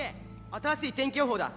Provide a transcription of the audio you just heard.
ＤＡ新しい天気予報だ